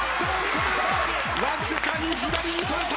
これはわずかに左にそれた。